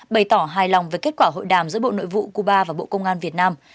bày tỏ hài lòng về kết quả hội đàm giữa bộ nội vụ cuba và bộ công an việt nam